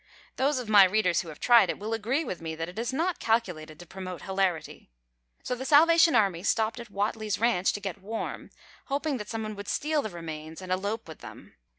Those of my readers who have tried it will agree with me that it is not calculated to promote hilarity. So the Salvation Army stopped at Whatley's ranch to get warm, hoping that someone would steal the remains and elope with them.